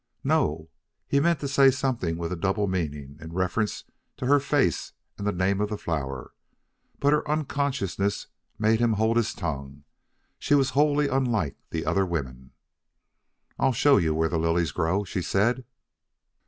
"No." He meant to say something with a double meaning, in reference to her face and the name of the flower, but her unconsciousness made him hold his tongue. She was wholly unlike the other women. "I'll show you where the lilies grow," she said.